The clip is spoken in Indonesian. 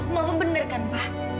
mama bener kan pak